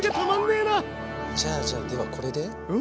じゃあじゃあではこれで。